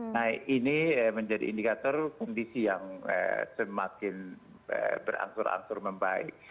nah ini menjadi indikator kondisi yang semakin berangsur angsur membaik